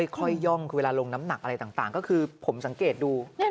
ย่องคือเวลาลงน้ำหนักอะไรต่างก็คือผมสังเกตดู